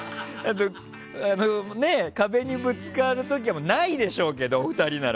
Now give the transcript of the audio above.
壁にぶつかる時はないでしょうけど、２人なら。